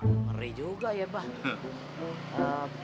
ngeri juga ya pak